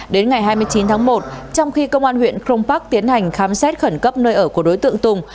đến ngày hai mươi chín tháng một trong khi công an huyện crong park tiến hành khám xét khẩn cấp nơi ở của đối tượng tùng